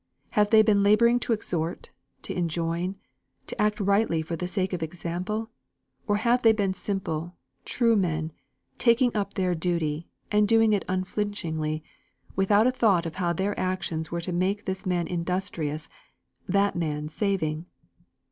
Have they been labouring to exhort, to enjoin, to act rightly for the sake of example, or have they been simple, true men, taking up their duty, and doing it unflinchingly, without a thought of how their actions were to make this man industrious, that man saving?